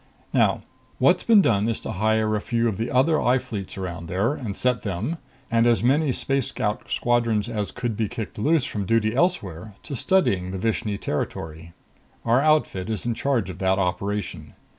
"Now, what's been done is to hire a few of the other I Fleets around there and set them and as many Space Scout squadrons as could be kicked loose from duty elsewhere to surveying the Vishni territory. Our outfit is in charge of that operation.